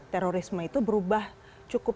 terorisme itu berubah cukup